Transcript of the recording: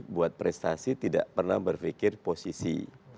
buat prestasi tidak pernah berpikir posisi